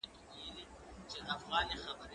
زه به بازار ته تللی وي؟!